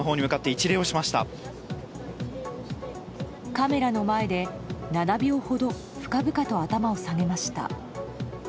カメラの前で７秒ほど深々と頭を下げました。